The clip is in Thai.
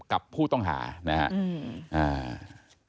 กับผู้ต้องหานะครับ